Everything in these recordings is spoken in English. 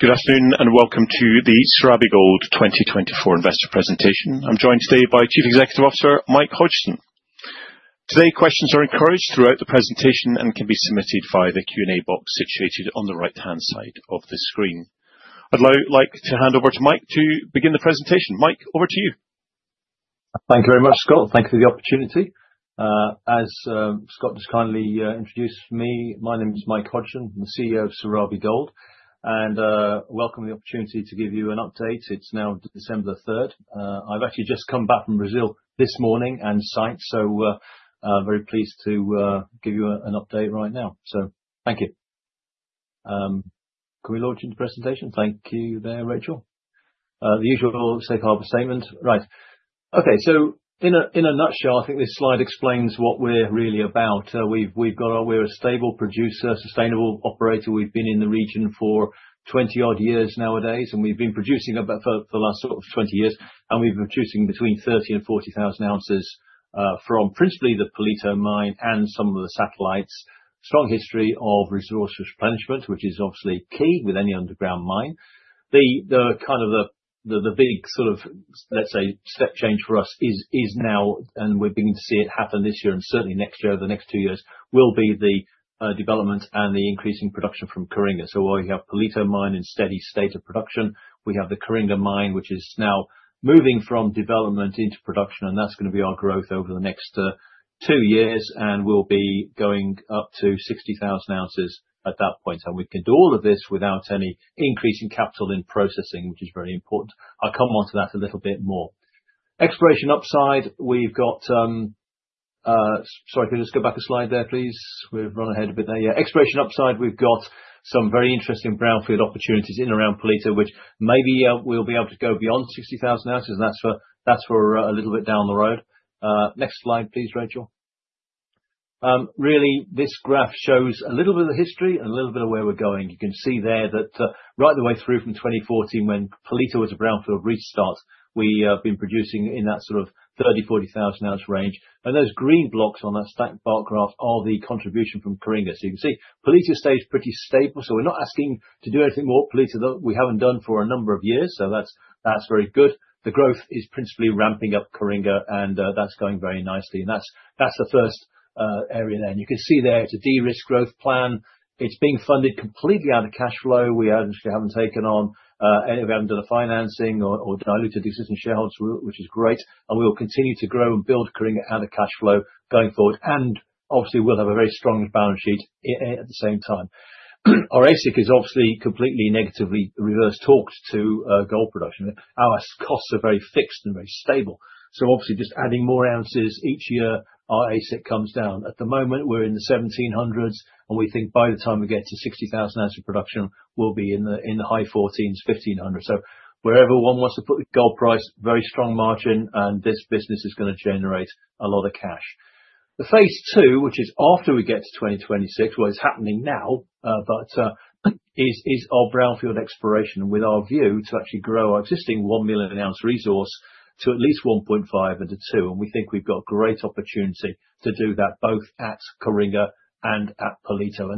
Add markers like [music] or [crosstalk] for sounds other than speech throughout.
Good afternoon, and welcome to the Serabi Gold 2024 investor presentation. I'm joined today by Chief Executive Officer, Mike Hodgson. Today, questions are encouraged throughout the presentation and can be submitted via the Q&A box situated on the right-hand side of the screen. I'd now like to hand over to Mike to begin the presentation. Mike, over to you. Thank you very much, Scott. Thank you for the opportunity. As Scott just kindly introduced me, my name is Mike Hodgson. I'm the CEO of Serabi Gold, and I welcome the opportunity to give you an update. It's now December 3rd. I've actually just come back from Brazil this morning, and the site, so very pleased to give you an update right now. Thank you. Can we launch into presentations? Thank you there, Rachel. The usual safe harbor statement. Right. Okay. In a nutshell, I think this slide explains what we're really about. We're a stable producer, sustainable operator. We've been in the region for 20-odd years nowadays, and we've been producing for the last sort of 20 years. We've been producing between 30,000 ounces-40,000 ounces, from principally the Palito Mine and some of the satellites. Strong history of resource replenishment, which is obviously key with any underground mine. The big sort of, let's say, step change for us is now, and we're beginning to see it happen this year and certainly next year, over the next two years, will be the development and the increase in production from Coringa. While we have Palito Mine in steady state of production, we have the Coringa Mine, which is now moving from development into production, and that's going to be our growth over the next two years. We'll be going up to 60,000 ounces at that point. We can do all of this without any increase in capital and processing, which is very important. I'll come onto that a little bit more. Exploration upside, we've got. Sorry, can you just go back a slide there, please? We've run ahead a bit there. Yeah. Exploration upside, we've got some very interesting brownfield opportunities in and around Palito, which maybe we'll be able to go beyond 60,000 ounces. That's for a little bit down the road. Next slide, please, Rachel. Really, this graph shows a little bit of the history and a little bit of where we're going. You can see there that right the way through from 2014, when Palito was a brownfield restart, we have been producing in that sort of 30,000 ounces-40,000 ounce range. Those green blocks on that stacked bar graph are the contribution from Coringa. You can see Palito stays pretty stable. We're not asking to do anything more at Palito that we haven't done for a number of years. That's very good. The growth is principally ramping up Coringa, and that's going very nicely. That's the first area there. You can see there, it's a de-risk growth plan. It's being funded completely out of cash flow. We obviously haven't taken on any of the financing or diluted existing shareholders, which is great. We will continue to grow and build Coringa out of cash flow going forward. Obviously, we'll have a very strong balance sheet at the same time. Our AISC is obviously completely inversely related to gold production. Our costs are very fixed and very stable. Obviously, just adding more ounces each year, our AISC comes down. At the moment, we're in the $1,700s, and we think by the time we get to 60,000 ounces of production, we'll be in the high $1,400- $1,500. Wherever one wants to put the gold price, very strong margin, and this business is going to generate a lot of cash. The phase two, which is after we get to 2026, well, it's happening now. It is our brownfield exploration and with our view to actually grow our existing 1 million ounce resource to at least 1.5 million ounce-2 million ounce. We think we've got great opportunity to do that, both at Coringa and at Palito.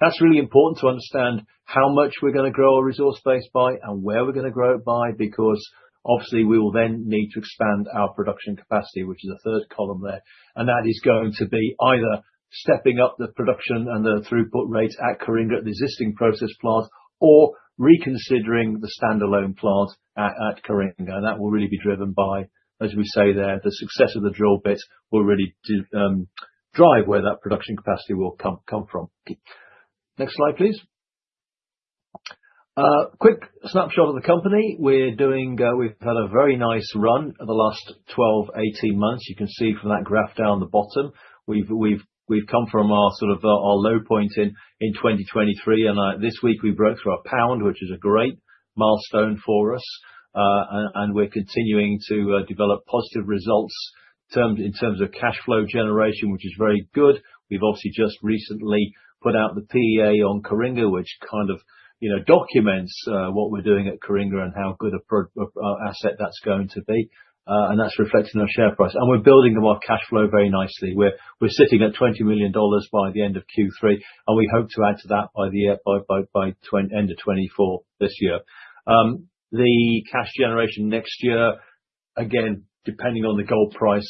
That's really important to understand how much we're going to grow our resource base by and where we're going to grow it by, because obviously, we will then need to expand our production capacity, which is the third column there. That is going to be either stepping up the production and the throughput rates at Coringa at the existing process plant or reconsidering the standalone plant at Coringa. That will really be driven by, as we say there, the success of the drill bits will really drive where that production capacity will come from. Next slide, please. A quick snapshot of the company. We've had a very nice run over the last 12, 18 months. You can see from that graph down at the bottom, we've come from our low point in 2023, and this week we broke through a pound, which is a great milestone for us. We're continuing to develop positive results in terms of cash flow generation, which is very good. We've obviously just recently put out the PEA on Coringa, which kind of documents what we're doing at Coringa and how good an asset that's going to be. That's reflected in our share price. We're building our cash flow very nicely. We're sitting at $20 million by the end of Q3, and we hope to add to that by the end of 2024 this year. The cash generation next year, again, depending on the gold price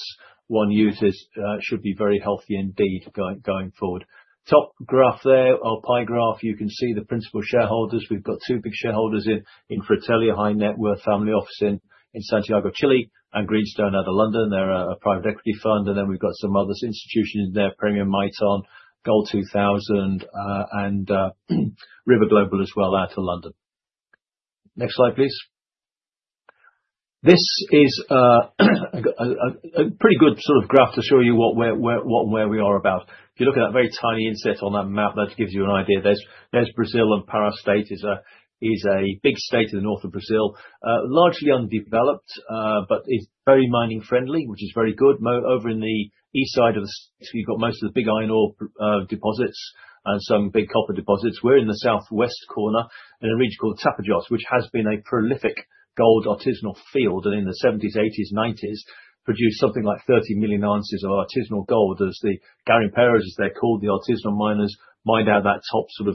one uses, should be very healthy indeed going forward. Top graph there, our pie graph, you can see the principal shareholders. We've got two big shareholders in Fratelli, a high-net-worth family office in Santiago, Chile, and Greenstone out of London. They're a private equity fund. And then we've got some other institutions there, Premier Miton, Gold 2000, and River Global as well out of London. Next slide, please. This is a pretty good graph to show you where we are at. If you look at that very tiny inset on that map, that gives you an idea. There's Brazil, and Pará State is a big state in the north of Brazil. Largely undeveloped, but it's very mining friendly, which is very good. Over in the east side, you've got most of the big iron ore deposits and some big copper deposits. We're in the southwest corner in a region called Tapajós, which has been a prolific gold artisanal field. In the 1970s, 1980s, 1990s, produced something like 30 million ounces of artisanal gold as the garimpeiros, as they're called, the artisanal miners, mined out that top 20 m,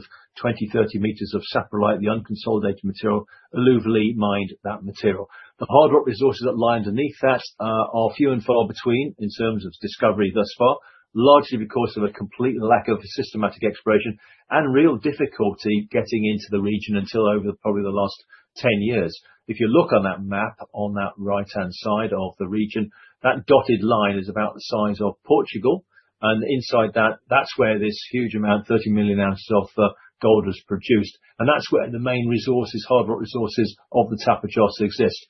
30 m of saprolite, the unconsolidated material, alluvially mined that material. The hard rock resources that lie underneath that are few and far between in terms of discovery thus far, largely because of a complete lack of systematic exploration and real difficulty getting into the region until over probably the last 10 years. If you look on that map on that right-hand side of the region, that dotted line is about the size of Portugal. Inside that's where this huge amount, 30 million ounces of gold was produced. That's where the main resources, hard rock resources of the Tapajós exist.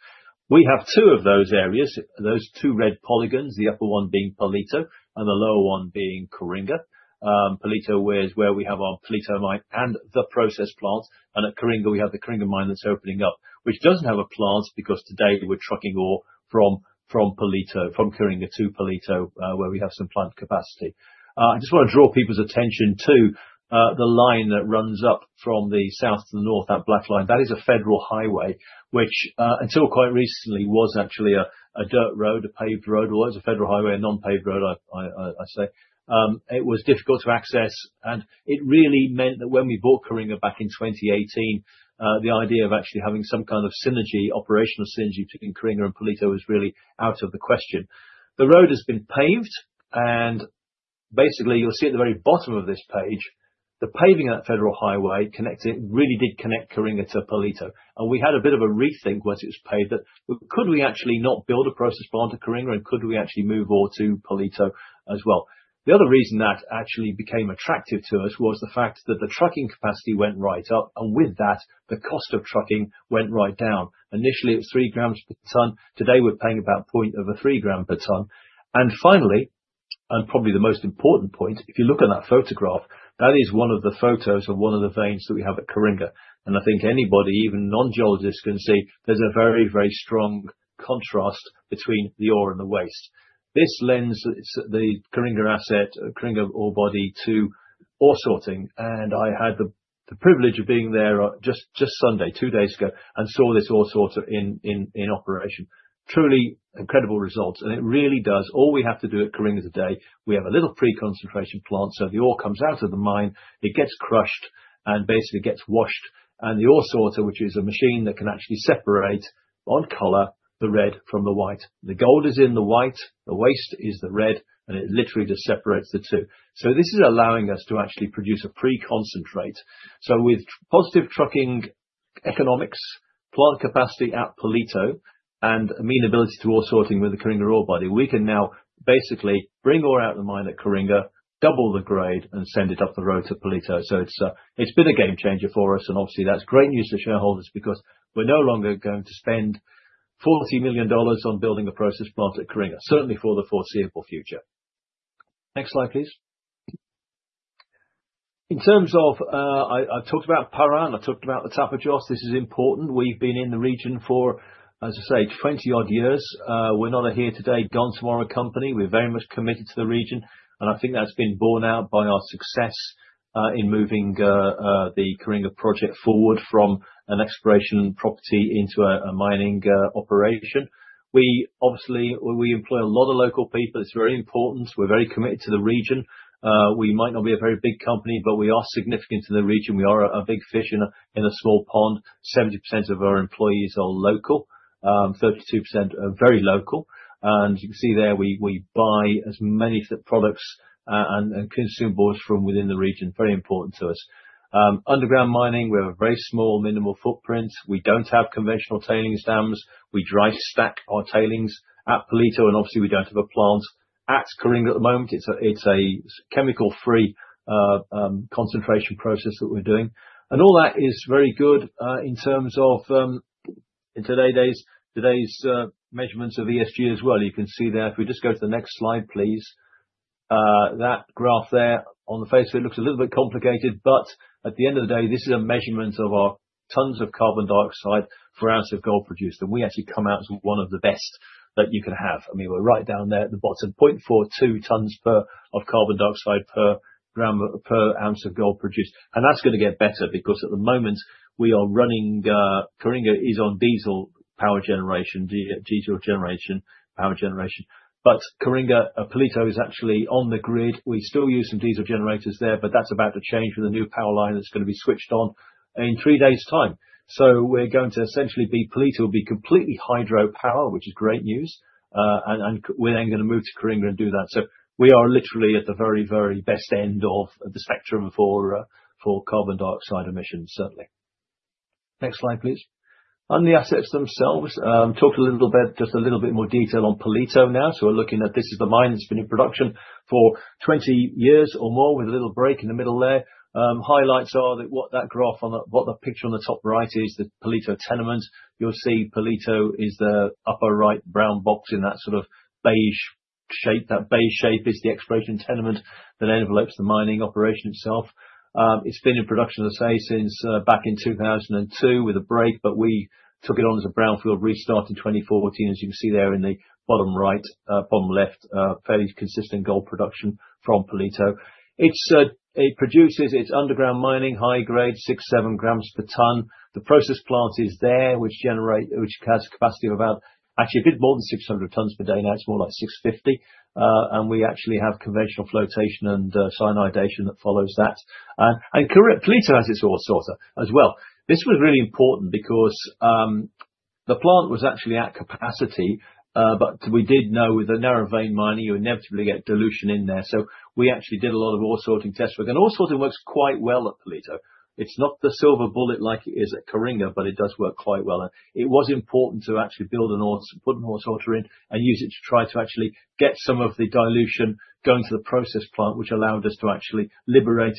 We have two of those areas, those two red polygons, the upper one being Palito and the lower one being Coringa. Palito is where we have our Palito mine and the process plant. At Coringa we have the Coringa mine that's opening up. Which doesn't have a plant because today we're trucking ore from Coringa to Palito, where we have some plant capacity. I just want to draw people's attention to the line that runs up from the south to the north, that black line. That is a federal highway, which until quite recently was actually a dirt road, a paved road. Well, it was a federal highway, a non-paved road, I say. It was difficult to access, and it really meant that when we bought Coringa back in 2018, the idea of actually having some kind of synergy, operational synergy between Coringa and Palito was really out of the question. The road has been paved, and basically, you'll see at the very bottom of this page, the paving of that federal highway really did connect Coringa to Palito. We had a bit of a rethink once it was paved that could we actually not build a process plant at Coringa and could we actually move ore to Palito as well? The other reason that actually became attractive to us was the fact that the trucking capacity went right up, and with that, the cost of trucking went right down. Initially, it was 3 g per ton. Today, we're paying about 0.3 g per ton. Finally, and probably the most important point, if you look at that photograph, that is one of the photos of one of the veins that we have at Coringa. I think anybody, even non-geologists, can see there's a very strong contrast between the ore and the waste. This lends the Coringa asset, Coringa ore body to ore sorting. I had the privilege of being there just Sunday, two days ago, and saw this ore sorter in operation. Truly incredible results. It really does. All we have to do at Coringa today, we have a little pre-concentration plant. The ore comes out of the mine, it gets crushed and basically gets washed. The ore sorter, which is a machine that can actually separate by color, the red from the white. The gold is in the white, the waste is the red, and it literally just separates the two. This is allowing us to actually produce a pre-concentrate. With positive trucking economics, plant capacity at Palito, and amenability to ore sorting with the Coringa ore body, we can now basically bring ore out of the mine at Coringa, double the grade, and send it up the road to Palito. It's been a game changer for us, and obviously that's great news to shareholders because we're no longer going to spend $40 million on building a process plant at Coringa, certainly for the foreseeable future. Next slide, please. I talked about Pará, and I talked about the Tapajós. This is important. We've been in the region for, as I say, 20-odd years. We're not a here today, gone tomorrow company. We're very much committed to the region. I think that's been borne out by our success in moving the Coringa project forward from an exploration property into a mining operation. We employ a lot of local people. It's very important. We're very committed to the region. We might not be a very big company, but we are significant to the region. We are a big fish in a small pond. 70% of our employees are local. 32% are very local. You can see there, we buy as many of the products and consumables from within the region. Very important to us. Underground mining, we have a very small, minimal footprint. We don't have conventional tailing dams. We dry stack our tailings at Palito, and obviously we don't have a plant at Coringa at the moment. It's a chemical-free concentration process that we're doing. All that is very good, in terms of, in today's measurements of ESG as well. You can see there. If we just go to the next slide, please. That graph there. On the face of it looks a little bit complicated, but at the end of the day, this is a measurement of our tons of carbon dioxide per ounce of gold produced. We actually come out as one of the best that you can have. We're right down there at the bottom, 0.42 tons of carbon dioxide per ounce of gold produced. That's going to get better because at the moment, Coringa is on diesel power generation. Palito is actually on the grid. We still use some diesel generators there, but that's about to change with a new power line that's going to be switched on in 3 days' time. Palito will be completely hydro power, which is great news. We're then going to move to Coringa and do that. We are literally at the very best end of the spectrum for carbon dioxide emissions, certainly. Next slide, please. On the assets themselves, talk a little bit, just a little bit more detail on Palito now. We're looking at. This is the mine that's been in production for 20 years or more with a little break in the middle there. Highlights are what the picture on the top right is, the Palito tenement. You'll see Palito is the upper right brown box in that sort of beige shape, that base shape is the exploration tenement that envelops the mining operation itself. It's been in production, as I say, since back in 2002 with a break, but we took it on as a brownfield restart in 2014. As you can see there in the bottom left, fairly consistent gold production from Palito. It produces its underground mining high grade 6 g-7 g per ton. The process plant is there, which has a capacity of about, actually a bit more than 600 tons per day. Now it's more like 650 tons. We actually have conventional flotation and cyanidation that follows that. Correct, Palito has its ore sorter as well. This was really important because the plant was actually at capacity, but we did know with the narrow vein mining, you inevitably get dilution in there. We actually did a lot of ore sorting test work, and ore sorting works quite well at Palito. It's not the silver bullet like it is at Coringa, but it does work quite well. It was important to actually put an ore sorter in and use it to try to actually get some of the dilution going to the process plant, which allowed us to actually liberate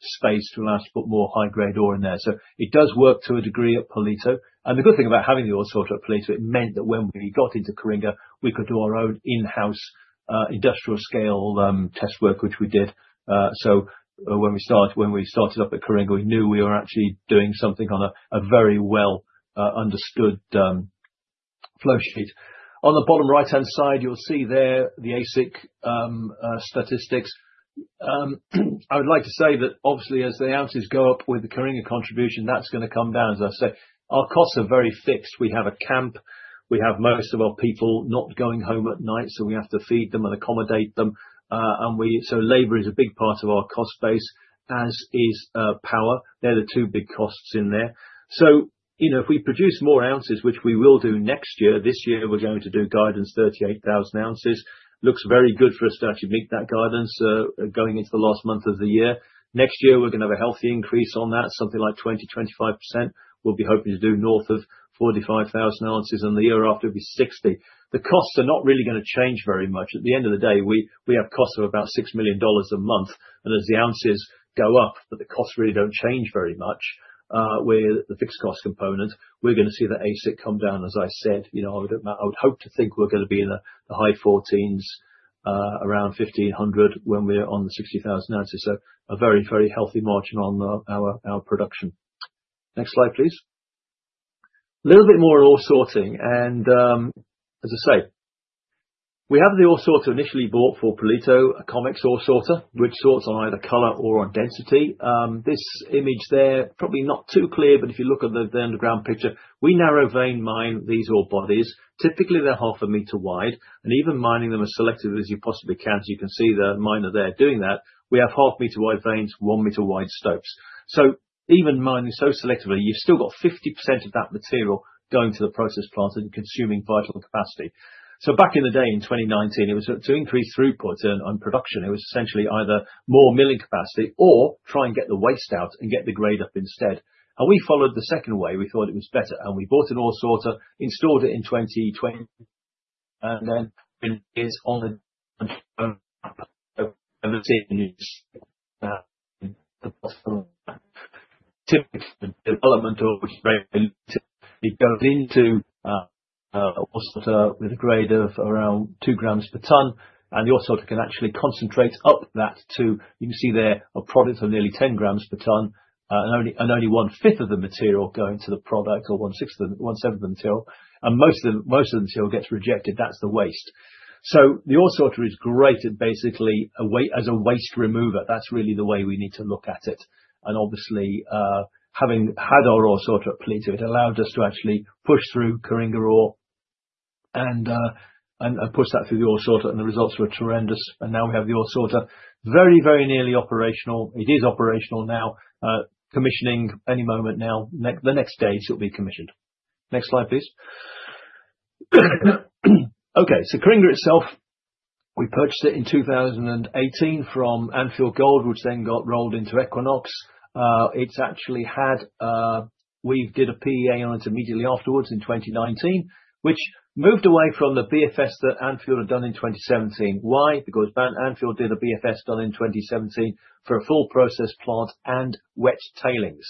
space to allow us to put more high grade ore in there. It does work to a degree at Palito. The good thing about having the ore sorter at Palito, it meant that when we got into Coringa, we could do our own in-house industrial scale test work, which we did. When we started up at Coringa, we knew we were actually doing something on a very well understood flow sheet. On the bottom right-hand side, you'll see there the AISC statistics. I would like to say that obviously as the ounces go up with the Coringa contribution, that's going to come down. As I said, our costs are very fixed. We have a camp. We have most of our people not going home at night, so we have to feed them and accommodate them. Labor is a big part of our cost base, as is power. They're the two big costs in there. If we produce more ounces, which we will do next year, this year we're going to do guidance 38,000 ounces. Looks very good for us to actually meet that guidance, going into the last month of the year. Next year we're going to have a healthy increase on that, something like 20%-25%. We'll be hoping to do north of 45,000 ounces, and the year after it'll be 60,000 ounces. The costs are not really going to change very much. At the end of the day, we have costs of about $6 million a month, and as the ounces go up, but the costs really don't change very much with the fixed cost component. We're going to see the AISC come down, as I said. I would hope to think we're going to be in the high $1,400s, around $1,500 when we're on the 60,000 ounces. So a very healthy margin on our production. Next slide, please. A little bit more on ore sorting and, as I say, we have the ore sorter initially bought for Palito, a COMEX ore sorter, which sorts on either color or on density. This image, there probably not too clear, but if you look at the underground picture, we narrow vein mine these ore bodies. Typically they're half a meter wide and even mining them as selective as you possibly can. You can see the miner there doing that. We have 0.5 m wide veins, 1 m wide stopes. Even mining so selectively, you've still got 50% of that material going to the process plant and consuming vital capacity. Back in the day in 2019, to increase throughput on production, it was essentially either more milling capacity or try and get the waste out and get the grade up instead. We followed the second way. We thought it was better, and we bought an ore sorter, installed it in 2020, and then [audio distortion] it goes into a sorter with a grade of around 2 g per ton. The ore sorter can actually concentrate up that to, you can see there a product of nearly 10 g per ton, and only one-fifth of the material going to the product or one-seventh of the till, and most of the till gets rejected. That's the waste. The ore sorter is great at basically as a waste remover. That's really the way we need to look at it. Obviously, having had our ore sorter at Palito, it allowed us to actually push through Coringa ore and push that through the ore sorter and the results were tremendous. Now we have the ore sorter very nearly operational. It is operational now, commissioning any moment now. The next stage, it'll be commissioned. Next slide, please. Okay. Coringa itself, we purchased it in 2018 from Anfield Gold, which then got rolled into Equinox Gold. We did a PEA on it immediately afterwards in 2019, which moved away from the BFS that Anfield had done in 2017. Why? Because Anfield did a BFS in 2017 for a full process plant and wet tailings.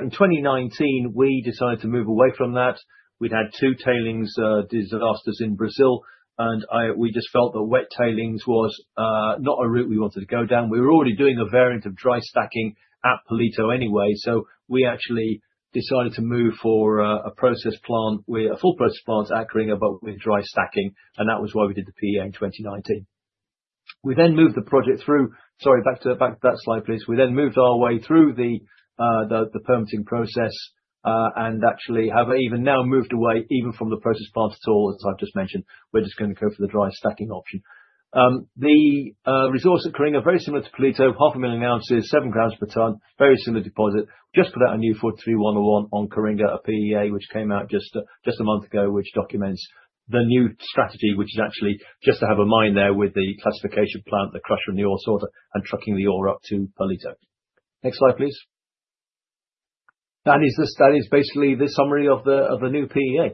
In 2019, we decided to move away from that. We'd had two tailings disasters in Brazil, and we just felt that wet tailings was not a route we wanted to go down. We were already doing a variant of dry stacking at Palito anyway, so we actually decided to move for a full process plant at Coringa but with dry stacking, and that was why we did the PEA in 2019. Sorry, back to that slide, please. We then moved our way through the permitting process, and actually have even now moved away even from the process plant at all, as I've just mentioned. We're just going to go for the dry stacking option. The resource at Coringa, very similar to Palito, 500,000 ounces, 7 g per ton, very similar deposit. Just put out a new NI 43-101 on Coringa, a PEA which came out just a month ago, which documents the new strategy, which is actually just to have a mine there with the classification plant, the crusher and the ore sorter, and trucking the ore up to Palito. Next slide, please. That is basically the summary of the new PEA.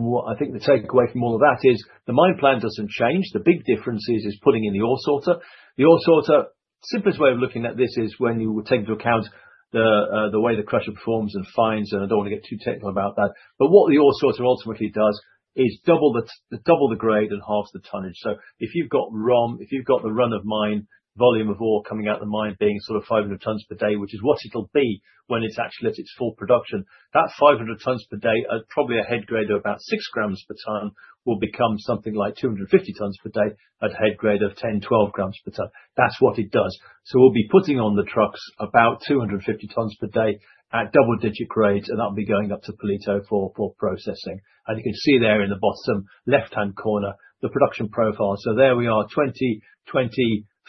What I think the takeaway from all of that is the mine plan doesn't change. The big difference is putting in the ore sorter. The simplest way of looking at this is when you take into account the way the crusher performs and fines, and I don't want to get too technical about that. What the ore sorter ultimately does is double the grade and halves the tonnage. If you've got ROM, if you've got the run of mine, volume of ore coming out the mine being 500 tons per day, which is what it'll be when it's actually at its full production. That 500 tons per day at probably a head grade of about 6 g per ton will become something like 250 tons per day at head grade of 10 g-12 g per ton. That's what it does. We'll be putting on the trucks about 250 tons per day at double-digit grades, and that'll be going up to Palito for processing. You can see there in the bottom left-hand corner, the production profile.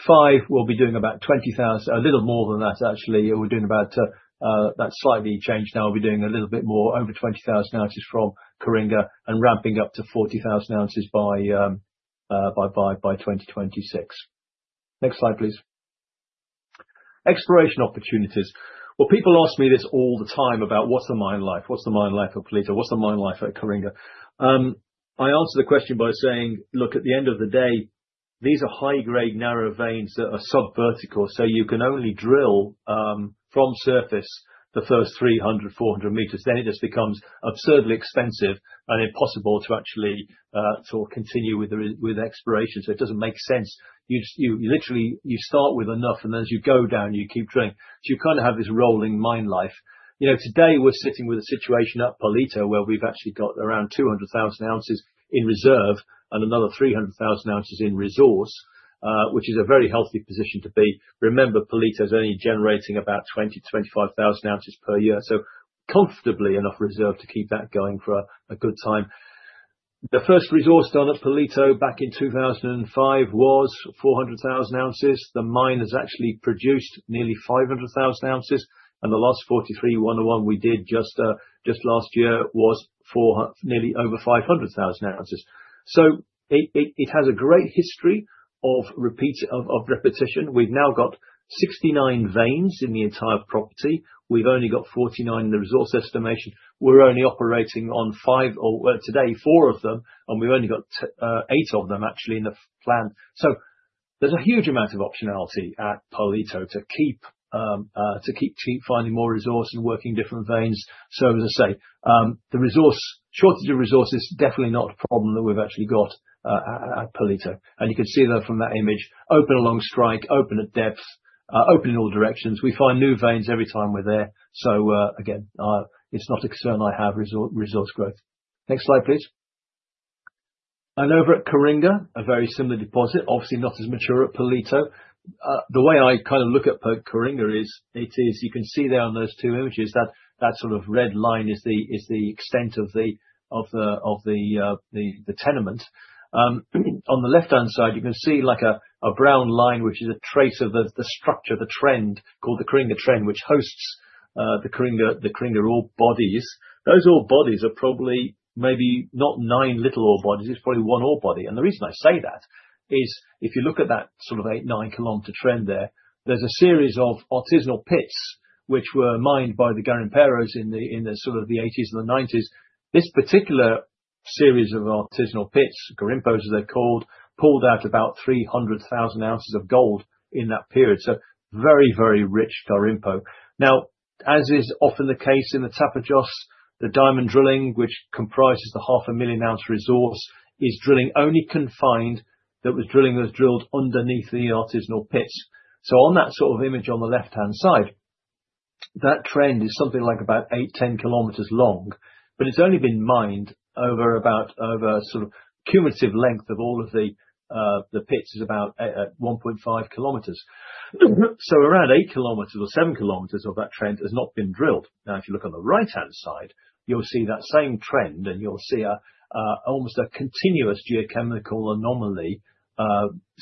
There we are, 2025, we'll be doing about 20,000 ounces, a little more than that actually. That slightly changed. Now we're doing a little bit more, over 20,000 ounces from Coringa and ramping up to 40,000 ounces by 2026. Next slide, please. Exploration opportunities. Well, people ask me this all the time about what's the mine life. What's the mine life of Palito? What's the mine life at Coringa? I answer the question by saying, "Look, at the end of the day, these are high-grade narrow veins that are sub-vertical, so you can only drill from surface the first 300 m-400 m." It just becomes absurdly expensive and impossible to actually continue with exploration. It doesn't make sense. You literally start with enough, and as you go down, you keep drilling. You have this rolling mine life. Today we're sitting with a situation at Palito where we've actually got around 200,000 ounces in reserve and another 300,000 ounces in resource, which is a very healthy position to be. Remember, Palito is only generating about 20,000 ounces-25,000 ounces per year, so comfortably enough reserve to keep that going for a good time. The first resource done at Palito back in 2005 was 400,000 ounces. The mine has actually produced nearly 500,000 ounces, and the last NI 43-101 we did just last year was nearly over 500,000 ounces. It has a great history of repetition. We've now got 69 veins in the entire property. We've only got 49 in the resource estimation. We're only operating on five, or well today, four of them, and we've only got eight of them actually in the plan. There's a huge amount of optionality at Palito to keep finding more resource and working different veins. As I say, the shortage of resource is definitely not a problem that we've actually got at Palito. You can see that from that image, open along strike, open at depths, open in all directions. We find new veins every time we're there. Again, it's not a concern I have, resource growth. Next slide, please. Over at Coringa, a very similar deposit. Obviously not as mature as Palito. The way I look at Coringa is, you can see there on those two images, that sort of red line is the extent of the tenement. On the left-hand side, you can see a brown line, which is a trace of the structure, the trend called the Coringa Trend, which hosts the Coringa ore bodies. Those ore bodies are probably maybe not nine little ore bodies. It's probably one ore body. The reason I say that is if you look at that sort of 8 km or 9 km trend there's a series of artisanal pits, which were mined by the garimpeiros in sort of the 1980s and the 1990s. This particular series of artisanal pits, garimpos as they're called, pulled out about 300,000 ounces of gold in that period. Very rich garimpo. Now, as is often the case in the Tapajós, the diamond drilling, which comprises the 500,000 ounce resource, is only confined. That was drilling that was drilled underneath the artisanal pits. On that sort of image on the left-hand side, that trend is something like about 8km, 10 km long, but it's only been mined over sort of cumulative length of all of the pits is about 1.5 km. Around 8 km or 7 km of that trend has not been drilled. Now, if you look on the right-hand side, you'll see that same trend, and you'll see almost a continuous geochemical anomaly.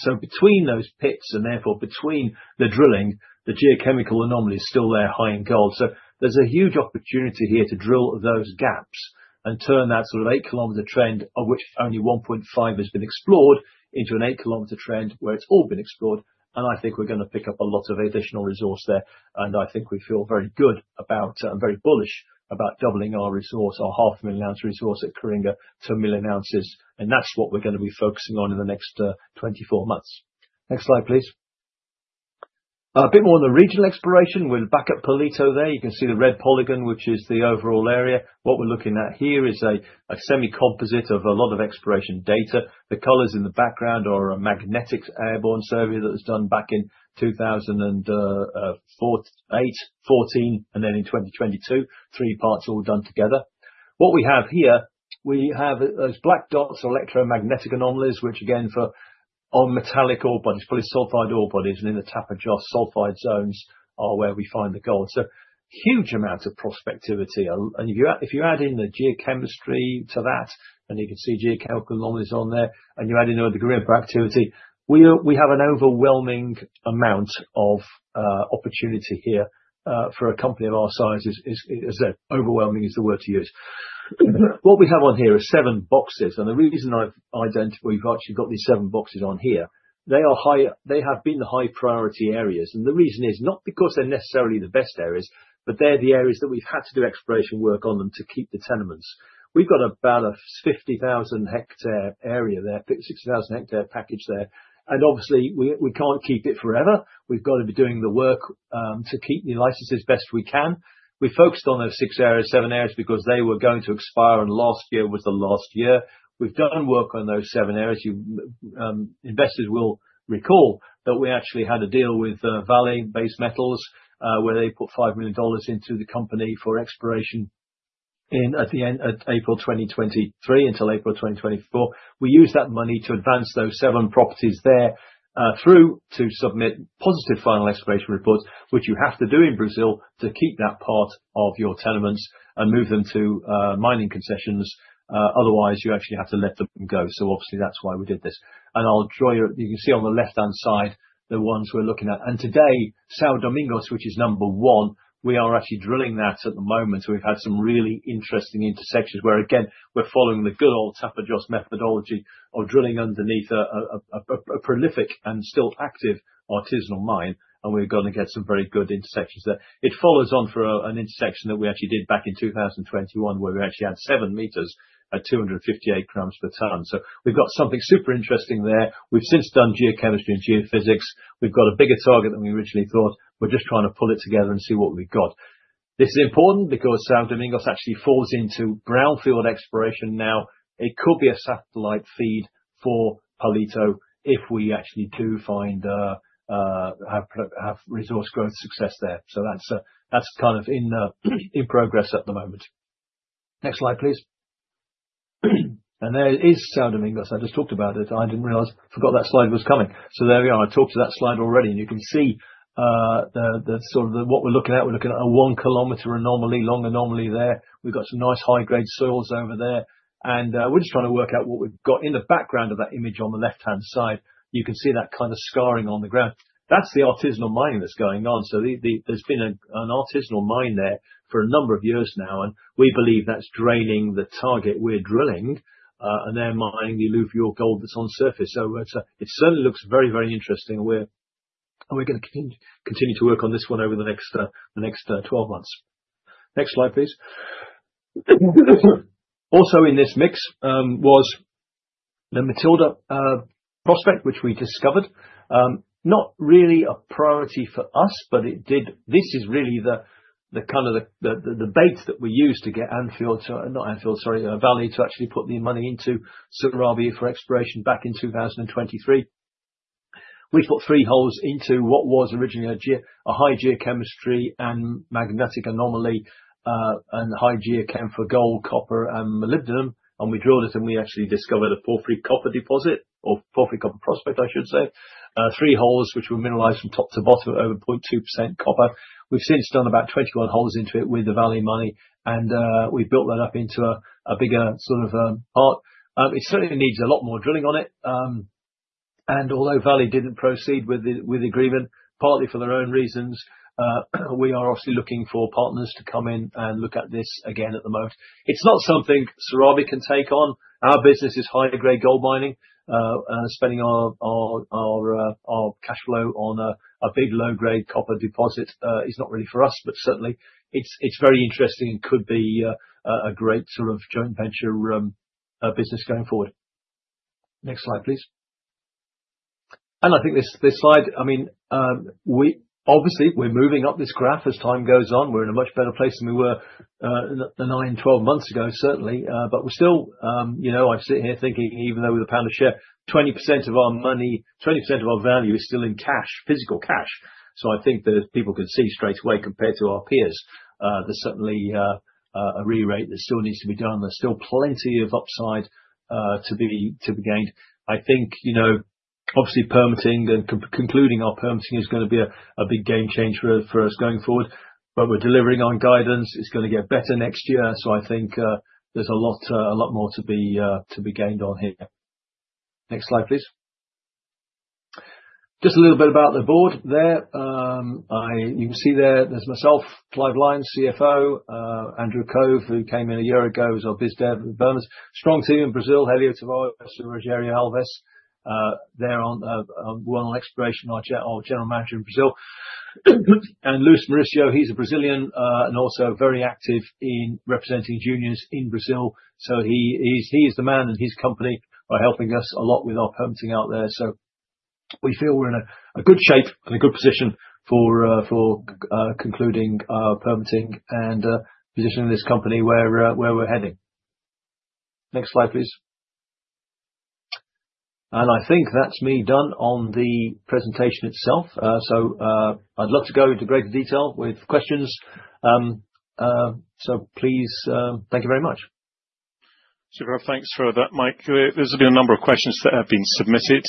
Between those pits and therefore between the drilling, the geochemical anomaly is still there, high in gold. There's a huge opportunity here to drill those gaps and turn that sort of 8 km trend, of which only 1.5 km has been explored, into an 8 km trend where it's all been explored, and I think we're going to pick up a lot of additional resource there. I think we feel very good about and very bullish about doubling our resource, our 500,000-ounce resource at Coringa to 1 million ounces, and that's what we're going to be focusing on in the next 24 months. Next slide, please. A bit more on the regional exploration. We're back at Palito there. You can see the red polygon, which is the overall area. What we're looking at here is a semi-composite of a lot of exploration data. The colors in the background are a magnetic airborne survey that was done back in 2008, 2014, and then in 2022. Three parts all done together. What we have here, we have those black dots are electromagnetic anomalies, which again, for all metallic ore bodies, sulfide ore bodies and in the Tapajos sulfide zones are where we find the gold. So huge amounts of prospectivity. If you add in the geochemistry to that, and you can see geochemical anomalies on there, and you add in all the green for activity, we have an overwhelming amount of opportunity here. For a company of our size, overwhelming is the word to use. What we have on here are seven boxes, and the reason we've actually got these seven boxes on here, they have been the high priority areas. The reason is not because they're necessarily the best areas, but they're the areas that we've had to do exploration work on them to keep the tenements. We've got about a 50,000 ha area there, 60,000 ha package there, and obviously we can't keep it forever. We've got to be doing the work, to keep the licenses as best we can. We focused on those seven areas because they were going to expire and last year was the last year. We've done work on those seven areas. Investors will recall that we actually had a deal with Vale Base Metals, where they put $5 million into the company for exploration in April 2023 until April 2024. We used that money to advance those seven properties there, through to submit positive final exploration reports, which you have to do in Brazil to keep that part of your tenements and move them to mining concessions. Otherwise, you actually have to let them go. Obviously that's why we did this. You can see on the left-hand side the ones we're looking at. Today, São Domingos, which is number one, we are actually drilling that at the moment. We've had some really interesting intersections where, again, we're following the good old Tapajos methodology of drilling underneath a prolific and still active artisanal mine. We're going to get some very good intersections there. It follows on from an intersection that we actually did back in 2021, where we actually had 7 m at 258 g per ton. We've got something super interesting there. We've since done geochemistry and geophysics. We've got a bigger target than we originally thought. We're just trying to pull it together and see what we've got. This is important because São Domingos actually falls into brownfield exploration now. It could be a satellite feed for Palito if we actually do have resource growth success there. That's kind of in progress at the moment. Next slide, please. There is São Domingos. I just talked about it. I forgot that slide was coming. There we are. I talked to that slide already. You can see what we're looking at. We're looking at a 1 km anomaly, long anomaly there. We've got some nice high-grade soils over there, and we're just trying to work out what we've got. In the background of that image on the left-hand side, you can see that kind of scarring on the ground. That's the artisanal mining that's going on. There's been an artisanal mine there for a number of years now, and we believe that's draining the target we're drilling. They're mining the alluvial gold that's on surface. It certainly looks very, very interesting, and we're going to continue to work on this one over the next 12 months. Next slide, please. Also in this mix, was the Matilda prospect, which we discovered. Not really a priority for us, but this is really the bait that we used to get Anfield to... Not Anfield, sorry, Vale to actually put the money into Serabi for exploration back in 2023. We put three holes into what was originally a high geochemistry and magnetic anomaly, and high geochem for gold, copper, and molybdenum. We drilled it, and we actually discovered a porphyry copper deposit or porphyry copper prospect, I should say. Three holes, which were mineralized from top to bottom at over 0.2% copper. We've since done about 21 holes into it with the Vale money, and we've built that up into a bigger sort of a part. It certainly needs a lot more drilling on it. Although Vale didn't proceed with the agreement, partly for their own reasons, we are obviously looking for partners to come in and look at this again at the moment. It's not something Serabi can take on. Our business is high-grade gold mining. Spending our cash flow on a big low-grade copper deposit is not really for us, but certainly it's very interesting and could be a great sort of joint venture business going forward. Next slide, please. I think this slide, obviously we're moving up this graph as time goes on. We're in a much better place than we were nine, 12 months ago, certainly. We're still, I'm sitting here thinking, even though with the pound a share, 20% of our money, 20% of our value is still in cash, physical cash. I think that if people can see straight away compared to our peers, there's certainly a re-rate that still needs to be done. There's still plenty of upside to be gained. I think obviously permitting and concluding our permitting is going to be a big game changer for us going forward. We're delivering on guidance. It's going to get better next year. I think there's a lot more to be gained on here. Next slide, please. Just a little bit about the board there. You can see there's myself, Clive Line, CFO. Andrew Khov, who came in a year ago, is our Bus Dev in the Americas. Strong team in Brazil, Helio Tavares and Rogério Alves. They're on exploration, our general manager in Brazil. Luis Mauricio, he's a Brazilian, and also very active in representing juniors in Brazil. He is the man, and his company are helping us a lot with our permitting out there. We feel we're in a good shape and a good position for concluding our permitting and positioning this company where we're heading. Next slide, please. I think that's me done on the presentation itself. I'd love to go into greater detail with questions. Please, thank you very much. Superb. Thanks for that, Mike. There's been a number of questions that have been submitted.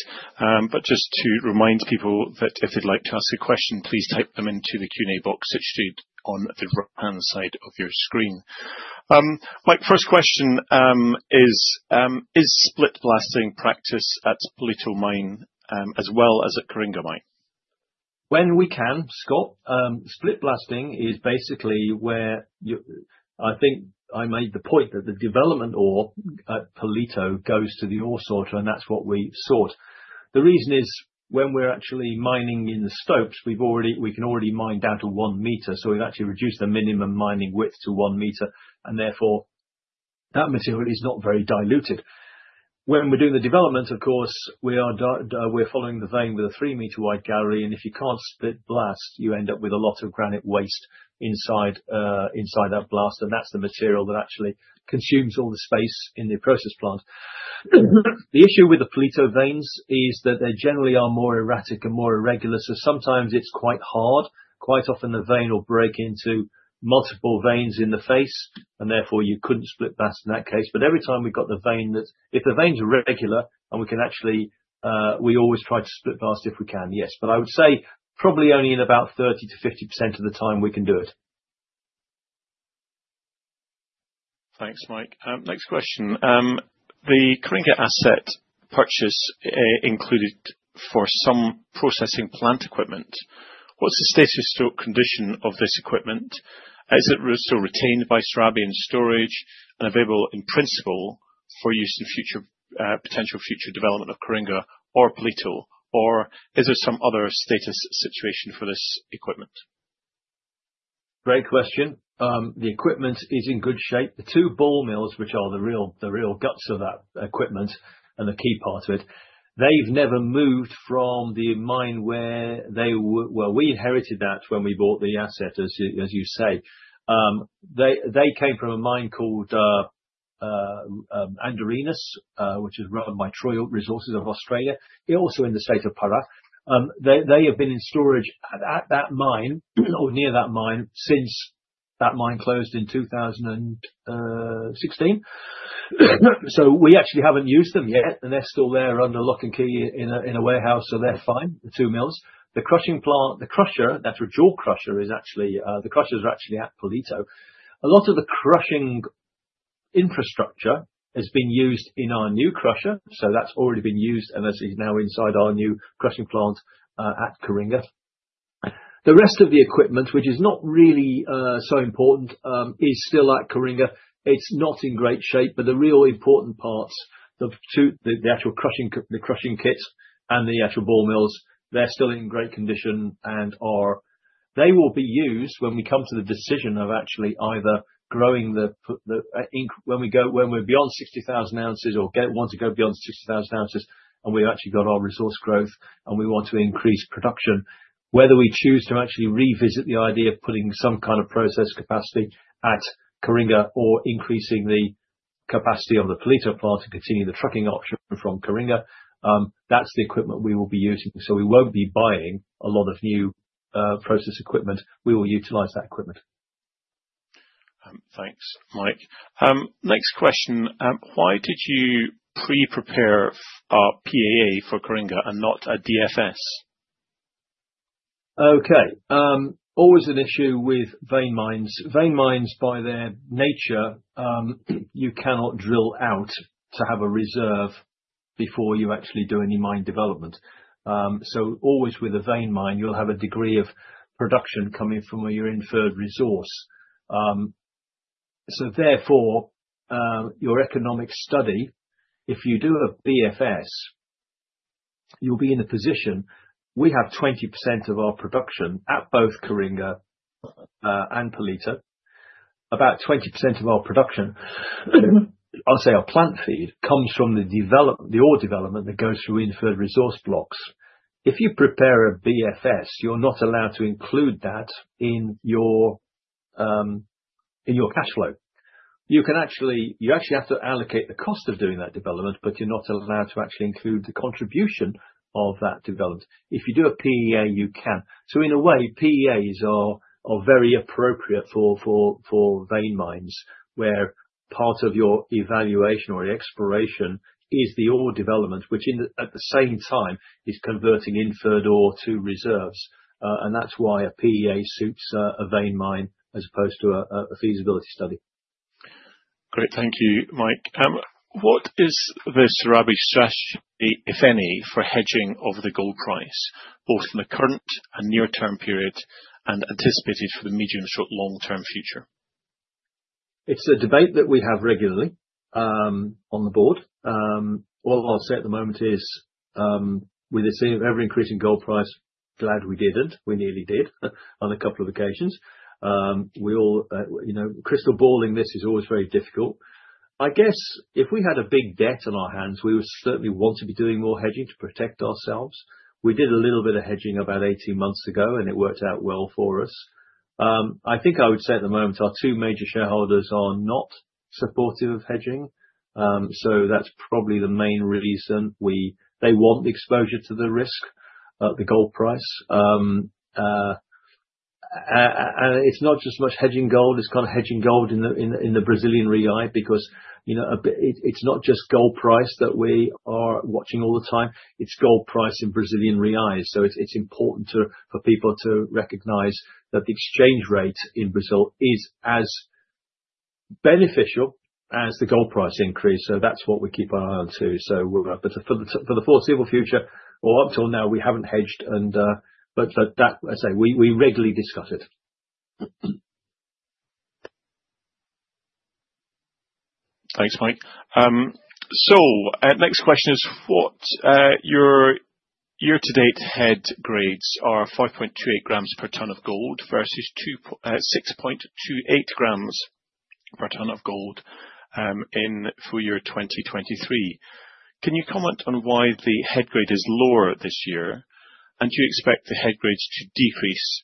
Just to remind people that if you'd like to ask a question, please type them into the Q&A box situated on the right-hand side of your screen. Mike, first question is pre-split blasting practice at Palito Mine, as well as at Coringa Mine? When we can, Scott. Pre-split blasting is basically where, I think I made the point that the development ore at Palito goes to the ore sorter, and that's what we sort. The reason is, when we're actually mining in the stopes, we can already mine down to one meter. We've actually reduced the minimum mining width to one meter, and therefore, that material is not very diluted. When we're doing the development, of course, we're following the vein with a 3 m wide gallery, and if you can't pre-split blast, you end up with a lot of granite waste inside that blast. That's the material that actually consumes all the space in the process plant. The issue with the Palito veins is that they generally are more erratic and more irregular, so sometimes it's quite hard. Quite often the vein will break into multiple veins in the face, and therefore you couldn't split blast in that case. Every time we've got the vein. If the veins are regular and we can actually, we always try to split blast if we can. Yes. I would say probably only in about 30%-50% of the time we can do it. Thanks, Mike. Next question. The Coringa asset purchase included some processing plant equipment. What's the status condition of this equipment? Is it still retained by Serabi in storage and available in principle for use in potential future development of Coringa or Palito? Or is there some other status situation for this equipment? Great question. The equipment is in good shape. The two ball mills, which are the real guts of that equipment and the key part of it, they've never moved from the mine where they were. We inherited that when we bought the asset, as you say. They came from a mine called Andorinhas, which is run by Troy Resources of Australia. They're also in the state of Pará. They have been in storage at that mine or near that mine since that mine closed in 2016. We actually haven't used them yet, and they're still there under lock and key in a warehouse. They're fine, the two mills. The crushing plant, the crusher, that's a jaw crusher, the crushers are actually at Palito. A lot of the crushing infrastructure has been used in our new crusher. That's already been used and is now inside our new crushing plant at Coringa. The rest of the equipment, which is not really so important, is still at Coringa. It's not in great shape, but the real important parts, the actual crushing kit and the actual ball mills, they're still in great condition and they will be used when we come to the decision of actually when we go beyond 60,000 ounces, and we actually got our resource growth, and we want to increase production. Whether we choose to actually revisit the idea of putting some kind of process capacity at Coringa or increasing the capacity of the Palito plant to continue the trucking option from Coringa, that's the equipment we will be using. We won't be buying a lot of new process equipment. We will utilize that equipment. Thanks, Mike. Next question. Why did you prepare a PEA for Coringa and not a DFS? Okay. Always an issue with vein mines. Vein mines, by their nature, you cannot drill out to have a reserve before you actually do any mine development. Always with a vein mine, you'll have a degree of production coming from your inferred resource. Therefore, your economic study, if you do a BFS, you'll be in a position, we have 20% of our production at both Coringa and Palito. About 20% of our production, I'll say our plant feed, comes from the ore development that goes through inferred resource blocks. If you prepare a BFS, you're not allowed to include that in your cash flow. You actually have to allocate the cost of doing that development, but you're not allowed to actually include the contribution of that development. If you do a PEA, you can. In a way, PEAs are very appropriate for vein mines, where part of your evaluation or exploration is the ore development, which at the same time is converting inferred ore to reserves. That's why a PEA suits a vein mine as opposed to a feasibility study. Great. Thank you, Mike. What is the Serabi strategy, if any, for hedging of the gold price, both in the current and near-term period and anticipated for the medium, short, long-term future? It's a debate that we have regularly on the board. What I'll say at the moment is, with this ever-increasing gold price, glad we didn't. We nearly did on a couple of occasions. Crystal balling this is always very difficult. I guess if we had a big debt on our hands, we would certainly want to be doing more hedging to protect ourselves. We did a little bit of hedging about 18 months ago, and it worked out well for us. I think I would say at the moment, our two major shareholders are not supportive of hedging. That's probably the main reason. They want the exposure to the risk of the gold price. It's not just much hedging gold, it's kind of hedging gold in the Brazilian real, because it's not just gold price that we are watching all the time, it's gold price in Brazilian reals. It's important for people to recognize that the exchange rate in Brazil is as beneficial as the gold price increases. That's what we keep our eye on, too. For the foreseeable future or up till now, we haven't hedged, but as I say, we regularly discuss it. Thanks, Mike. Next question is, your year-to-date head grades are 5.28 g per ton of gold versus 6.28 g per ton of gold in full year 2023. Can you comment on why the head grade is lower this year? Do you expect the head grades to decrease,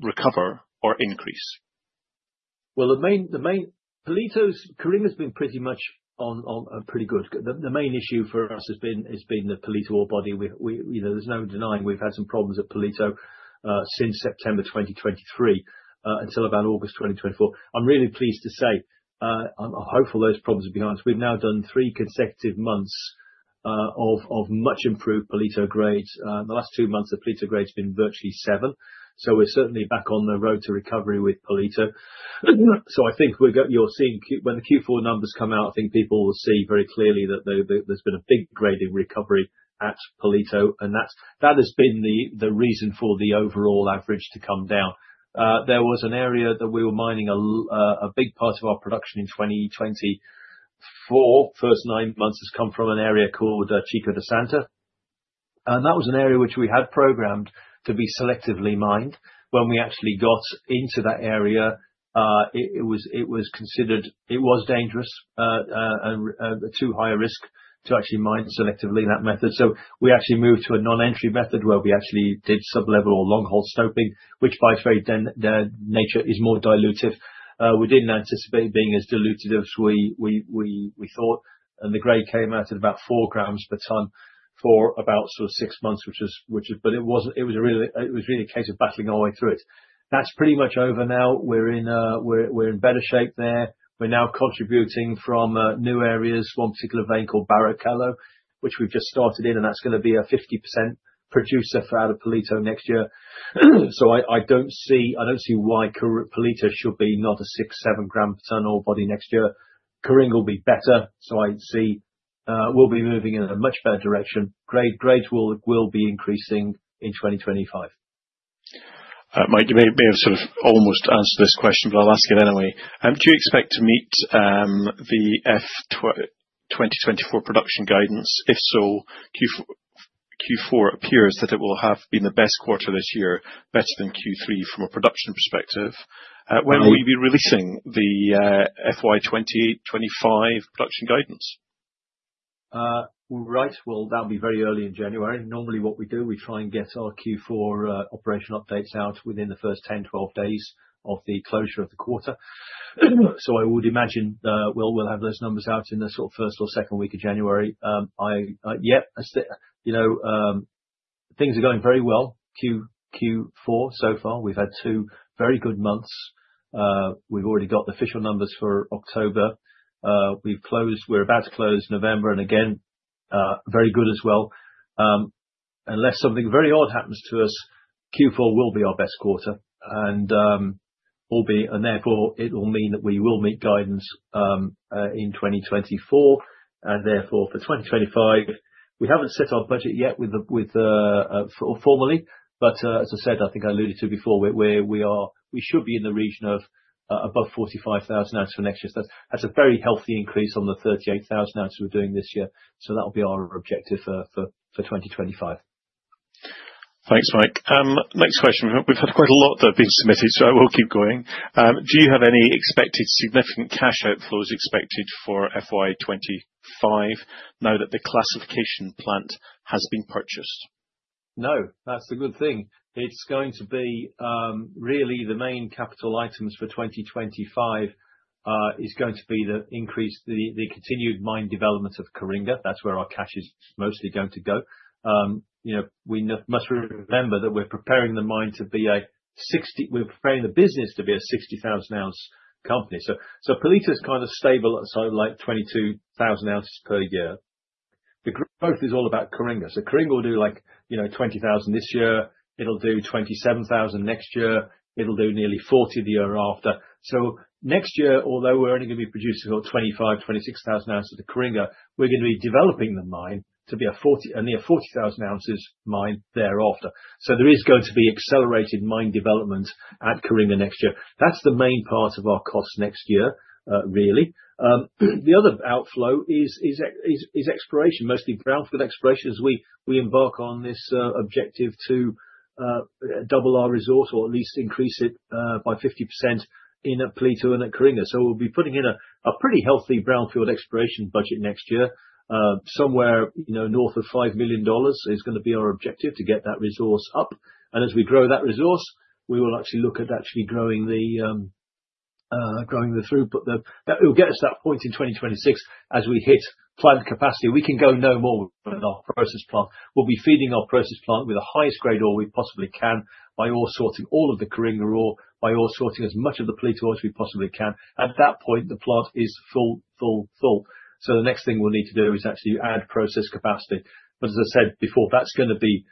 recover, or increase? Well, Coringa's been pretty much pretty good. The main issue for us has been the Palito ore body. There's no denying we've had some problems at Palito, since September 2023, until about August 2024. I'm really pleased to say, I'm hopeful those problems will be behind us. We've now done three consecutive months of much improved Palito grades. The last two months, the Palito grade's been virtually seven. We're certainly back on the road to recovery with Palito. I think you're seeing when the Q4 numbers come out, I think people will see very clearly that there's been a big grade in recovery at Palito, and that has been the reason for the overall average to come down. There was an area that we were mining a big part of our production in 2024. The first nine months has come from an area called Chica da Santa. That was an area which we had programmed to be selectively mined. When we actually got into that area, it was considered dangerous, too high a risk to actually mine selectively in that method. We actually moved to a non-entry method where we actually did sublevel or longhole stoping, which by its very nature is more dilutive. We didn't anticipate being as dilutive as we thought. The grade came out at about 4 g per ton for about six months. It was really a case of battling our way through it. That's pretty much over now. We're in better shape there. We're now contributing from new areas. One particular vein called Barroco, which we've just started in, and that's going to be a 50% producer out of Palito next year. I don't see why Palito should be not a 6 g, 7 g per ton ore body next year. Coringa will be better. I'd say we'll be moving in a much better direction. Grades will be increasing in 2025. Mike, you may have sort of almost answered this question, but I'll ask it anyway. Do you expect to meet the FY 2024 production guidance? If so, Q4 appears that it will have been the best quarter this year, better than Q3 from a production perspective. When will you be releasing the FY 2025 production guidance? Right. Well, that'll be very early in January. Normally what we do, we try and get our Q4 operation updates out within the first 10, 12 days of the closure of the quarter. I would imagine we'll have those numbers out in the first or second week of January. Things are going very well, Q4 so far. We've had two very good months. We've already got the official numbers for October. We're about to close November, and again, very good as well. Unless something very odd happens to us, Q4 will be our best quarter, and therefore it will mean that we will meet guidance in 2024. Therefore for 2025, we haven't set our budget yet formally. As I said, I think I alluded to before, we should be in the region of above 45,000 ounces for next year. That's a very healthy increase on the 38,000 ounces we're doing this year. That'll be our objective for 2025. Thanks, Mike. Next question. We've had quite a lot that have been submitted, so I will keep going. Do you have any expected significant cash outflows expected for FY 2025 now that the classification plant has been purchased? No, that's a good thing. It's going to be really the main capital items for 2025 is going to be the continued mine development of Coringa. That's where our cash is mostly going to go. We must remember that we're preparing the business to be a 60,000 ounce company. Palito is kind of stable at 22,000 ounces per year. The growth is all about Coringa. Coringa will do 20,000 ounces this year, it'll do 27,000 ounces next year, it'll do nearly 40,000 ounces the year after. Next year, although we're only going to be producing about 25,000 ounces-26,000 ounces of Coringa, we're going to be developing the mine to be a near 40,000 ounces mine thereafter. There is going to be accelerated mine development at Coringa next year. That's the main part of our cost next year, really. The other outflow is exploration, mostly brownfield exploration, as we embark on this objective to double our resource or at least increase it by 50% in Palito and at Coringa. We'll be putting in a pretty healthy brownfield exploration budget next year. Somewhere north of $5 million is going to be our objective to get that resource up. As we grow that resource, we will look at actually growing the throughput. It'll get us to that point in 2026 as we hit plant capacity. We can go no more in our process plant. We'll be feeding our process plant with the highest grade ore we possibly can by ore sorting all of the Coringa ore, by ore sorting as much of the Palito ore as we possibly can. At that point, the plant is full. The next thing we'll need to do is actually add process capacity. As I said before, that's going to be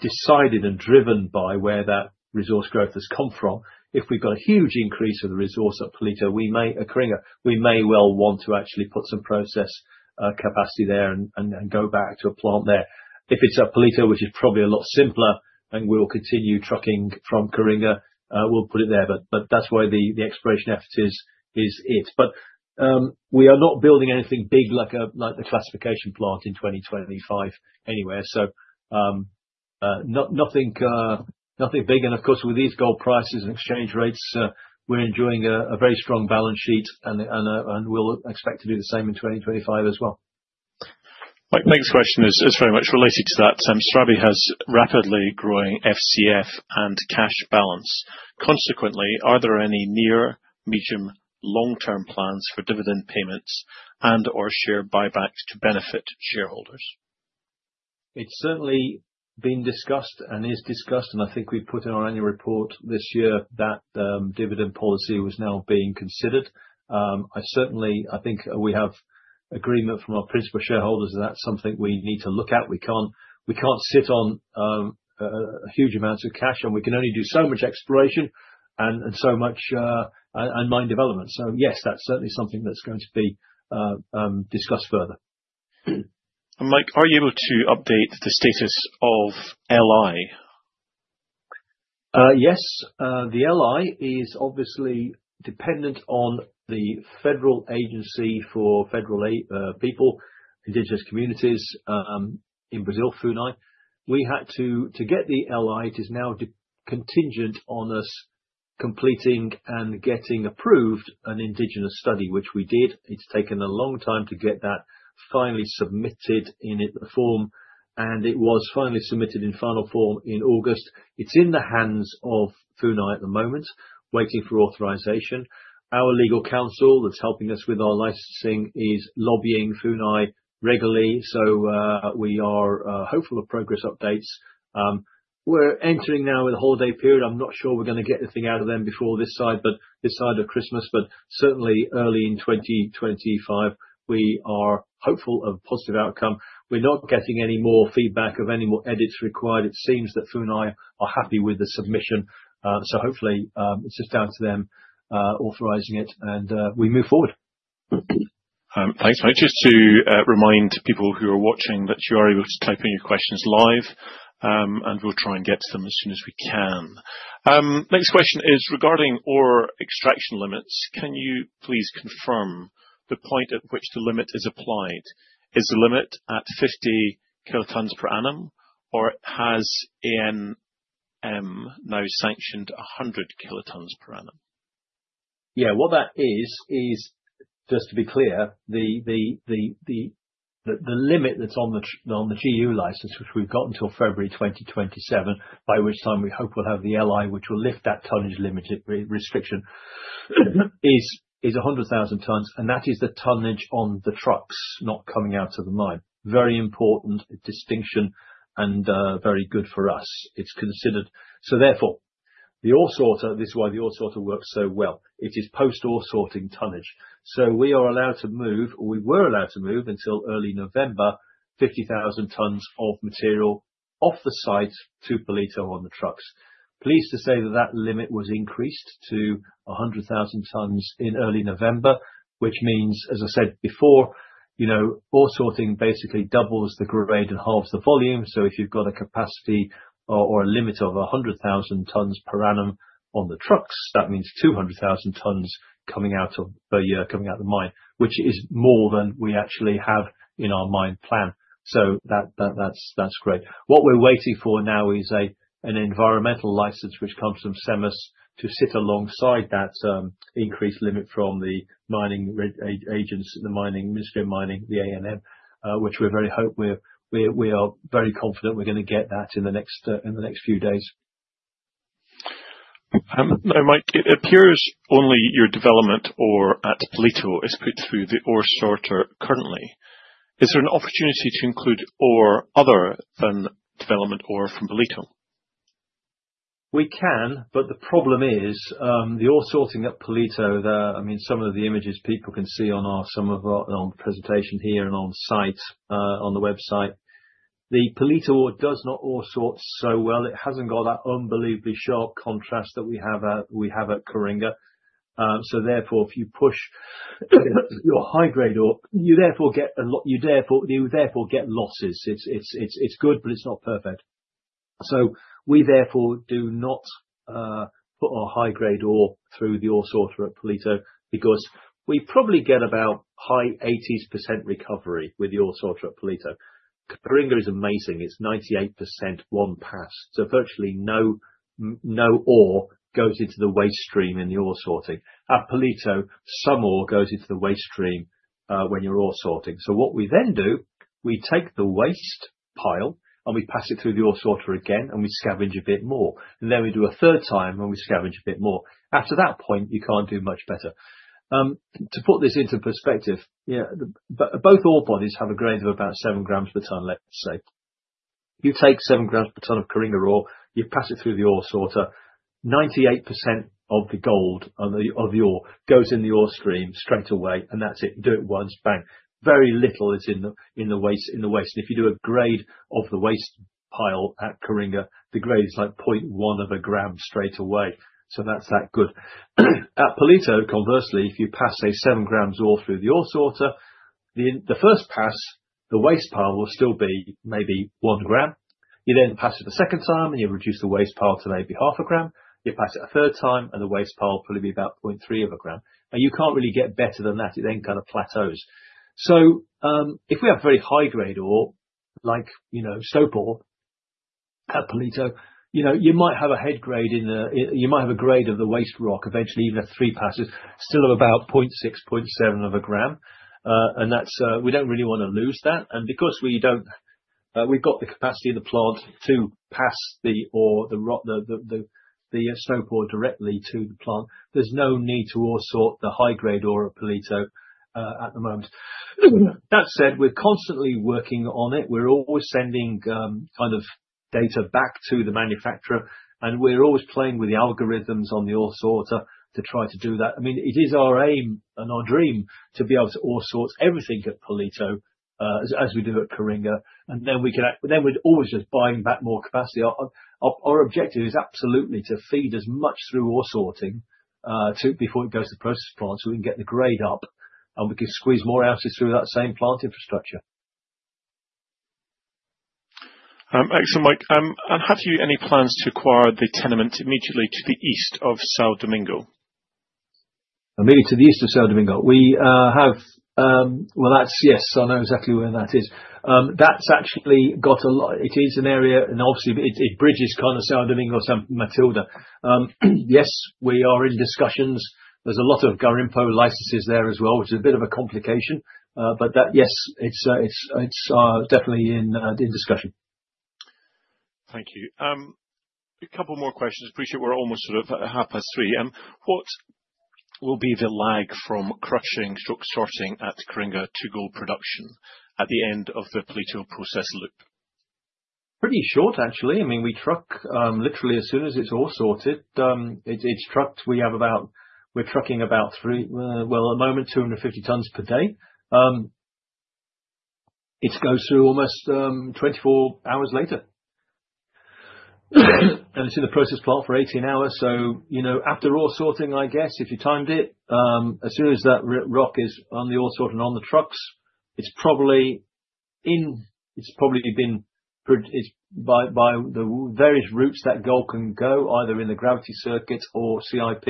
decided and driven by where that resource growth has come from. If we've got a huge increase in the resource at Coringa, we may well want to actually put some process capacity there and go back to a plant there. If it's at Palito, which is probably a lot simpler, and we will continue trucking from Coringa, we'll put it there. That's why the exploration effort is it. We are not building anything big like the classification plant in 2025 anywhere. Nothing big. Of course, with these gold prices and exchange rates, we're enjoying a very strong balance sheet, and we'll expect to do the same in 2025 as well. Mike, next question is very much related to that. Serabi has rapidly growing FCF and cash balance. Consequently, are there any near, medium, long-term plans for dividend payments and or share buybacks to benefit shareholders? It's certainly been discussed and is discussed, and I think we put in our annual report this year that dividend policy was now being considered. I think we have agreement from our principal shareholders that that's something we need to look at. We can't sit on a huge amount of cash, and we can only do so much exploration and so much mine development. Yes, that's certainly something that's going to be discussed further. Mike, are you able to update the status of LI? Yes. The LI is obviously dependent on the federal agency for indigenous people, indigenous communities, in Brazil, FUNAI. We had to get the LI. It is now contingent on us completing and getting approved an indigenous study, which we did. It's taken a long time to get that finally submitted in the form, and it was finally submitted in final form in August. It's in the hands of FUNAI at the moment, waiting for authorization. Our legal counsel that's helping us with our licensing is lobbying FUNAI regularly, so we are hopeful of progress updates. We're entering now the holiday period. I'm not sure we're going to get anything out of them before this side of Christmas. Certainly early in 2025, we are hopeful of a positive outcome. We're not getting any more feedback of any more edits required. It seems that FUNAI are happy with the submission. Hopefully, it's just down to them authorizing it, and we move forward. Thanks, Mike. Just to remind people who are watching that you are able to type in your questions live, and we'll try and get to them as soon as we can. Next question is regarding ore extraction limits. Can you please confirm the point at which the limit is applied? Is the limit at 50 kilotons per annum, or has ANM now sanctioned 100 kilotons per annum? Yeah. What that is, just to be clear, the limit that's on the GU license, which we've got until February 2027, by which time we hope we'll have the LI, which will lift that tonnage restriction, is 100,000 tons, and that is the tonnage on the trucks not coming out of the mine. Very important distinction and very good for us. This is why the ore sorter works so well. It is post ore sorting tonnage. We are allowed to move, or we were allowed to move until early November, 50,000 tons of material off the site to Palito on the trucks. Pleased to say that that limit was increased to 100,000 tons in early November, which means, as I said before, ore sorting basically doubles the grade and halves the volume. If you've got a capacity or a limit of 100,000 tons per annum on the trucks, that means 200,000 tons per year coming out of the mine, which is more than we actually have in our mine plan. That's great. What we're waiting for now is an environmental license, which comes from SEMAS to sit alongside that increased limit from the mining agency, the Ministry of Mining, the ANM, which we are very confident we're going to get that in the next few days. Mike, it appears only your development ore at Palito is put through the ore sorter currently. Is there an opportunity to include ore other than development ore from Palito? We can, but the problem is the ore sorting at Palito there. Some of the images people can see on some of our presentation here and on the website. The Palito ore does not ore sort so well. It hasn't got that unbelievably sharp contrast that we have at Coringa. If you push your high-grade ore, you therefore get losses. It's good, but it's not perfect. We therefore do not put our high-grade ore through the ore sorter at Palito because we probably get about high 80s% recovery with the ore sorter at Palito. Coringa is amazing. It's 98% one pass. Virtually no ore goes into the waste stream in the ore sorting. At Palito, some ore goes into the waste stream when you're ore sorting. What we then do, we take the waste pile and we pass it through the ore sorter again, and we scavenge a bit more. We do a third time, and we scavenge a bit more. After that point, you can't do much better. To put this into perspective, both ore bodies have a grade of about 7 g per ton, let's say. You take seven grams per ton of Coringa ore, you pass it through the ore sorter 98% of the gold of the ore goes in the ore stream straight away, and that's it. Do it once, bang. Very little is in the waste. If you do a grade of the waste pile at Coringa, the grade is like 0.1 of a gram straight away. That's that good. At Palito, conversely, if you pass say 7 g ore through the ore sorter, the first pass, the waste pile will still be maybe 1 g. You then pass it a second time, and you reduce the waste pile to maybe 0.5 g. You pass it a third time, and the waste pile will probably be about 0.3 of a gram. You can't really get better than that. It then kind of plateaus. If we have very high grade ore, like stope ore at Palito, you might have a grade of the waste rock eventually, even after three passes, still of about 0.6 g, 0.7 of a gram. We don't really wanna lose that. Because we've got the capacity of the plant to pass the ore, the stope ore directly to the plant, there's no need to ore sort the high grade ore at Palito at the moment. That said, we're constantly working on it. We're always sending data back to the manufacturer, and we're always playing with the algorithms on the ore sorter to try to do that. It is our aim and our dream to be able to ore sort everything at Palito, as we do at Coringa, and then we're always just buying back more capacity. Our objective is absolutely to feed as much through ore sorting before it goes to the process plant, so we can get the grade up, and we can squeeze more out through that same plant infrastructure. Excellent, Mike. Have you any plans to acquire the tenement immediately to the east of São Domingos? Immediately to the east of São Domingos? Yes, I know exactly where that is. It is an area, and obviously it bridges São Domingos, Matilda. Yes, we are in discussions. There's a lot of garimpo licenses there as well, which is a bit of a complication. Yes, it's definitely in discussion. Thank you. A couple more questions. I appreciate we're almost sort of at 3:30 P.M. What will be the lag from crushing, sorting at Coringa to gold production at the end of the Palito process loop? Pretty short, actually. We truck literally as soon as it's ore sorted. We're trucking. Well, at the moment, 250 tons per day. It goes through almost 24 hours later. It's in the process plant for 18 hours. After ore sorting, I guess, if you timed it, as soon as that rock is on the ore sort and on the trucks, by the various routes that gold can go, either in the gravity circuit or CIP,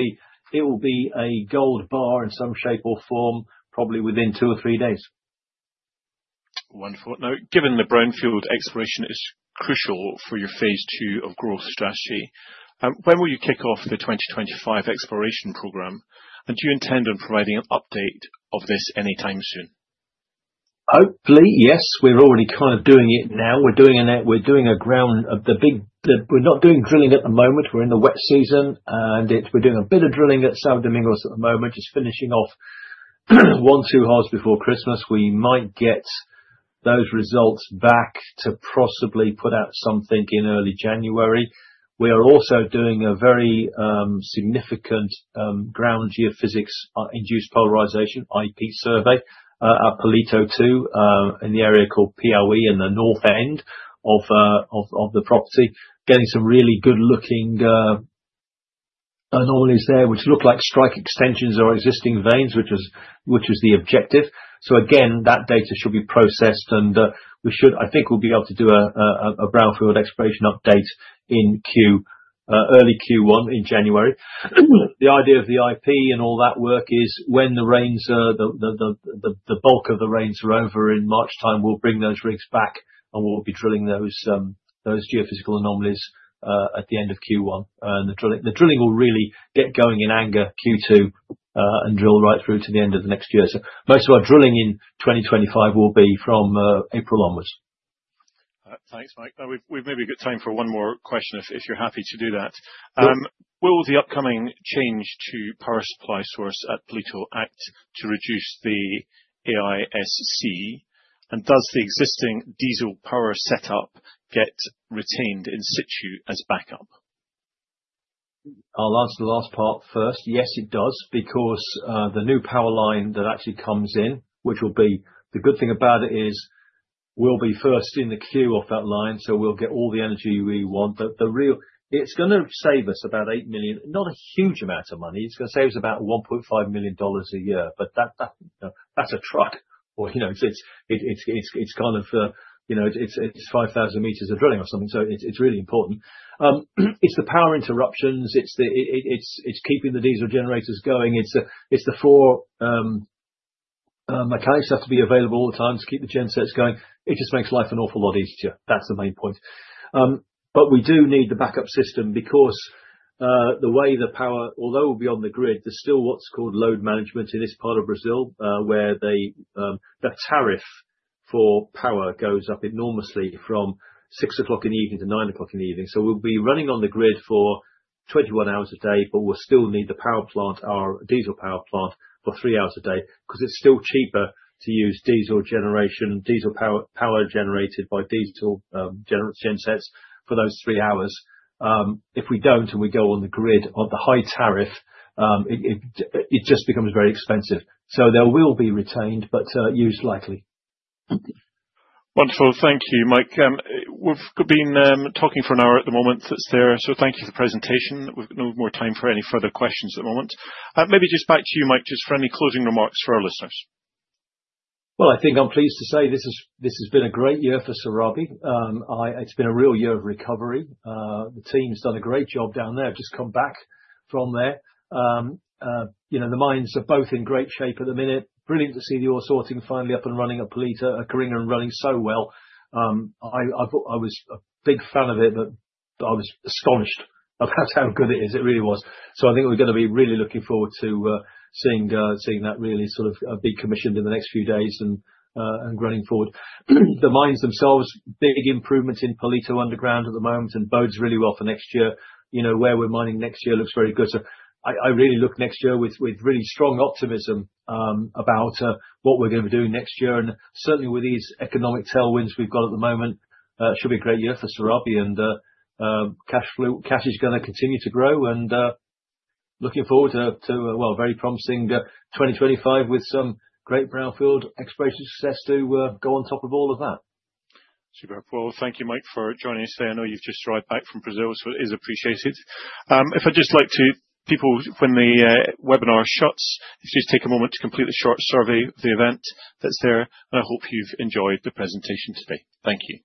it will be a gold bar in some shape or form, probably within 2 or 3 days. Wonderful. Now, given the brownfield exploration is crucial for your phase two of growth strategy, when will you kick off the 2025 exploration program? And do you intend on providing an update of this anytime soon? Hopefully, yes. We're already kind of doing it now. We're not doing drilling at the moment. We're in the wet season. We're doing a bit of drilling at São Domingos at the moment, just finishing off one or two holes before Christmas. We might get those results back to possibly put out something in early January. We are also doing a very significant ground geophysics induced polarization, IP survey, at Palito too, in the area called POE in the north end of the property, getting some really good looking anomalies there, which look like strike extensions or existing veins, which is the objective. Again, that data should be processed and I think we'll be able to do a brownfield exploration update early Q1 in January. The idea of the IP and all that work is when the bulk of the rains are over in March time, we'll bring those rigs back, and we'll be drilling those geophysical anomalies at the end of Q1. The drilling will really get going in anger Q2, and drill right through to the end of the next year. Most of our drilling in 2025 will be from April onwards. Thanks, Mike. We've maybe got time for one more question, if you're happy to do that. Sure. Will the upcoming change to power supply source at Palito act to reduce the AISC? Does the existing diesel power setup get retained in situ as backup? I'll answer the last part first. Yes, it does, because the new power line that actually comes in, the good thing about it is we'll be first in the queue of that line, so we'll get all the energy we want. It's gonna save us about $8 million, not a huge amount of money. It's gonna save us about $1.5 million a year. That's a truck or it's 5,000 m of drilling or something. It's really important. It's the power interruptions. It's keeping the diesel generators going. Mechanics have to be available all the time to keep the gen sets going. It just makes life an awful lot easier. That's the main point. We do need the backup system because the way the power, although we'll be on the grid, there's still what's called load management in this part of Brazil, where the tariff for power goes up enormously from 6:00 P.M. to 9:00 P.M. We'll be running on the grid for 21 hours a day, but we'll still need the power plant, our diesel power plant for three hours a day, because it's still cheaper to use diesel generation, diesel power generated by diesel gen sets for those 3 hours. If we don't, and we go on the grid on the high tariff, it just becomes very expensive. They will be retained, but used lightly. Wonderful. Thank you, Mike. We've been talking for an hour at the moment, so thank you for the presentation. We've got no more time for any further questions at the moment. Maybe just back to you, Mike, just for any closing remarks for our listeners. Well, I think I'm pleased to say this has been a great year for Serabi. It's been a real year of recovery. The team's done a great job down there. I've just come back from there. The mines are both in great shape at the minute. Brilliant to see the ore sorting finally up and running at Palito, Coringa running so well. I was a big fan of it, but I was astonished of how good it is. It really was. I think we're gonna be really looking forward to seeing that really sort of be commissioned in the next few days and running forward. The mines themselves, big improvements in Palito Underground at the moment and bodes really well for next year. Where we're mining next year looks very good. I really look next year with really strong optimism about what we're gonna be doing next year. Certainly with these economic tailwinds we've got at the moment, it should be a great year for Serabi. Cash is gonna continue to grow, and looking forward to a very promising 2025 with some great brownfield exploration success to go on top of all of that. Superb. Well, thank you, Mike, for joining us today. I know you've just arrived back from Brazil, so it is appreciated. People, when the webinar shuts, if you just take a moment to complete the short survey of the event that's there, and I hope you've enjoyed the presentation today. Thank you.